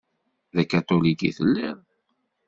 D akatulik i telliḍ?